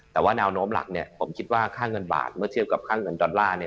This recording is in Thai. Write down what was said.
แต่ว่าแนวโน้มหลักเนี่ยผมคิดว่าค่าเงินบาทเมื่อเทียบกับค่าเงินดอลลาร์